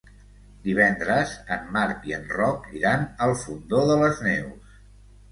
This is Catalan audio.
Divendres en Marc i en Roc iran al Fondó de les Neus.